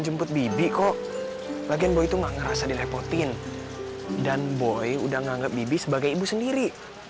jemput bibi kok bagian boy itu nggak ngerasa dilepotin dan boy udah menganggap bibi sebagai ibu sendiri